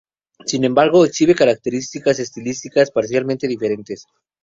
Sin embargo, exhibe características estilísticas parcialmente diferentes.